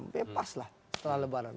bebas lah setelah lebaran